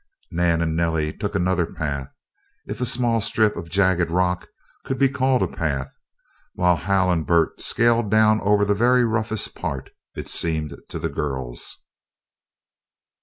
Nan and Nellie took another path, if a small strip of jagged rock could be called a path, while Hal and Bert scaled down over the very roughest part, it seemed to the girls.